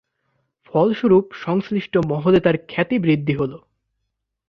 ফলস্বরূপ সংশ্লিষ্ট মহলে তার খ্যাতি বৃদ্ধি হল।